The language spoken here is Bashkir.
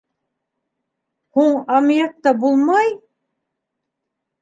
Һуң, аммиакта булмай?